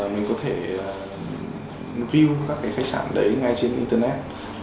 mình có thể view các cái khách sạn đấy ngay trên internet